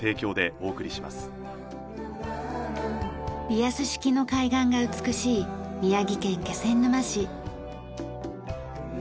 リアス式の海岸が美しい宮城県気仙沼市。